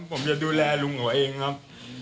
ผมจะดูแลลุงเขาเองครับ